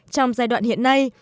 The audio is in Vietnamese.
trong giai đoạn hiện nay